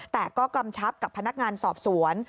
แต่ก็กำชับกับพนักงานสอบสวน